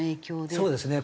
そうですね。